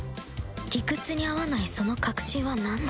理屈に合わないその確信はなんだ？